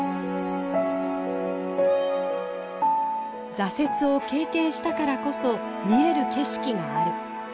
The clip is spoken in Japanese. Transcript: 挫折を経験したからこそ見える景色がある。